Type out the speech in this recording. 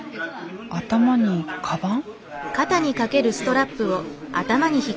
頭にかばん？